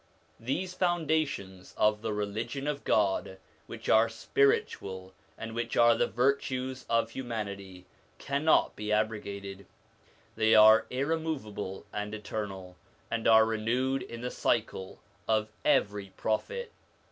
These foundations of the Religion of God, which are spiritual and which are the virtues of humanity, cannot be abrogated; they are irremovable and eternal, and are renewed in the cycle of every Prophet.